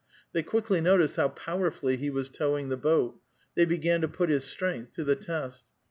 They quickly noticed how powerfully he was towing the boat; they began to put his strength to the test.